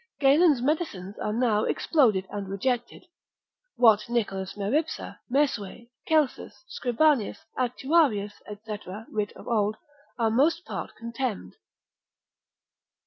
Galen's medicines are now exploded and rejected; what Nicholas Meripsa, Mesue, Celsus, Scribanius, Actuarius, &c. writ of old, are most part contemned.